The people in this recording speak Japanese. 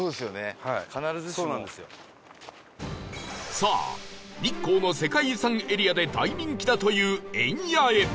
さあ日光の世界遺産エリアで大人気だというエンヤへ